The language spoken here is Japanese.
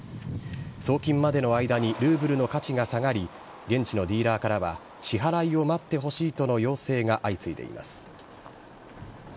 送金までの間にルーブルの価値が下がり、現地のディーラーからは、支払いを待ってほしいとの要請が相次いでいます。